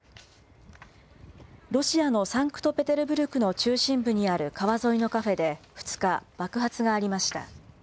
ロシアのサンクトペテルブルクの中心部にある川沿いのカフェで２日、爆発がありました。